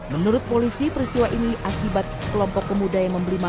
menurut polisi peristiwa ini akibat sekelompok pemuda yang membutuhkan